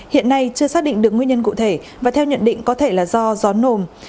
hiện nay chưa xác định được nguyên nhân cụ thể và theo nhận định có thể là do gió nồm